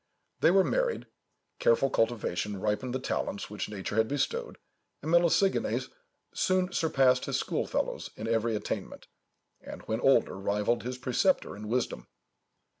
They were married; careful cultivation ripened the talents which nature had bestowed, and Melesigenes soon surpassed his schoolfellows in every attainment, and, when older, rivalled his preceptor in wisdom.